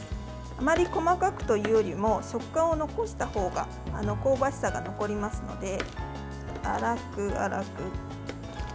あまり細かくというよりも食感を残した方が香ばしさが残りますので粗く、粗く。